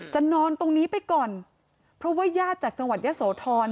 นอนตรงนี้ไปก่อนเพราะว่าญาติจากจังหวัดยะโสธร